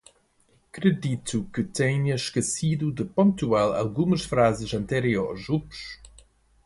Acredito que tenha esquecido de pontuar algumas frases anteriores... Ops!